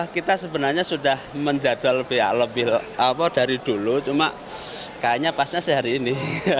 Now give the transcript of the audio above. kita sebenarnya sudah menjadwal lebih dari dulu cuma kayaknya pasnya sehari ini